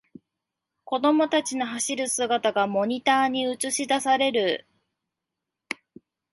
子供たちの走る姿がモニターに映しだされる